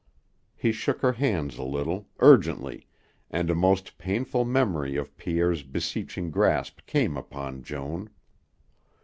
He shook her hands a little, urgently, and a most painful memory of Pierre's beseeching grasp came upon Joan.